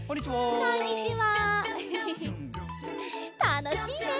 たのしいね。